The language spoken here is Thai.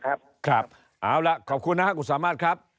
แฮบเอาละขอบคุณนะครับกุศามารครับ